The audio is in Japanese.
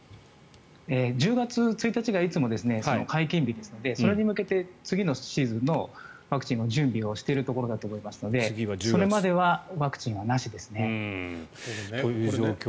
１０月１日がいつも解禁日ですのでそれに向けて次のシーズンのワクチンの準備をしているところだと思いますのでそれまではワクチンはなしですね。